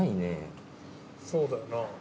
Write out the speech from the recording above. そうだよな。